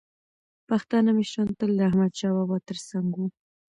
پښتانه مشران تل د احمدشاه بابا تر څنګ وو.